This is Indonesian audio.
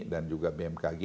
dan juga bmkg